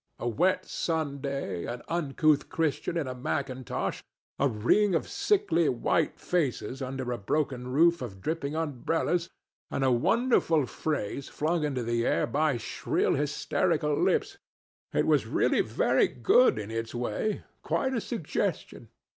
A wet Sunday, an uncouth Christian in a mackintosh, a ring of sickly white faces under a broken roof of dripping umbrellas, and a wonderful phrase flung into the air by shrill hysterical lips—it was really very good in its way, quite a suggestion.